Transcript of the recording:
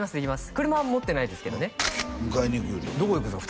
車は持ってないですけどね迎えに行くって言うとったどこ行くんですか？